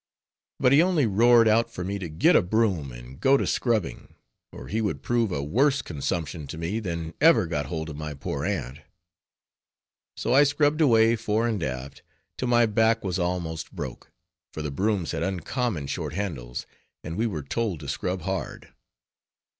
But he only roared out for me to get a broom and go to scrubbing, or he would prove a worse consumption to me than ever got hold of my poor aunt. So I scrubbed away fore and aft, till my back was almost broke, for the brooms had uncommon short handles, and we were told to scrub hard.